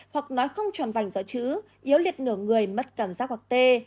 hoặc nói không tròn vành dõi chữ yếu liệt nửa người mất cảm giác hoặc tê